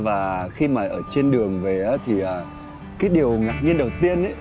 và khi mà ở trên đường về thì cái điều ngạc nhiên đầu tiên